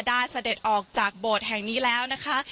เสด็จออกจากโบสถ์แห่งนี้แล้วนะคะ